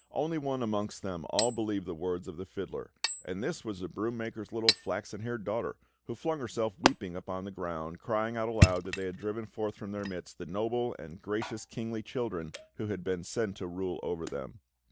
Only one amongst them all believed the words of the fiddler; and this was the broom maker's little flaxen haired daughter, who flung herself weeping upon the ground, crying out aloud that they had driven forth from their midst the noble and gracious kingly children who had been sent to rule over them.